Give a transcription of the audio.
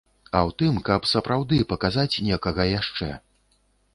А ў тым, каб сапраўды паказаць некага яшчэ.